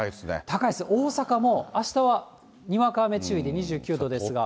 高いです、大阪もあしたはにわか雨注意で２９度ですが。